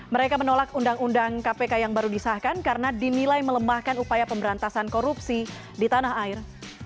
mereka menolak undang undang kpk yang baru disahkan karena dinilai melemahkan upaya pemberantasan korupsi di tanah air